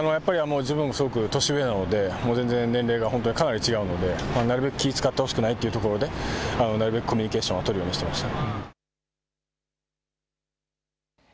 自分もすごく年上なので年齢がかなり違うのでなるべく気を遣ってほしくないとかいうところでなるべくコミュニケーションを取るようにしていました。